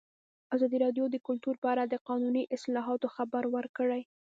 ازادي راډیو د کلتور په اړه د قانوني اصلاحاتو خبر ورکړی.